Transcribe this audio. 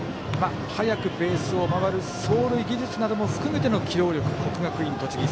速くベースを回る走塁技術なども含めての機動力、国学院栃木。